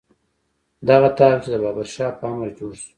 دغه طاق چې د بابر شاه په امر جوړ شو.